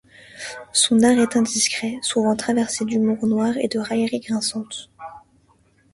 Son art est indiscret, souvent traversé d’humour noir et de raillerie grinçante.